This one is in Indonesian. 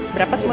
berapa semua ya